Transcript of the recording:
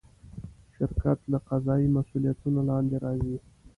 شرکت له قضایي مسوولیتونو لاندې راځي.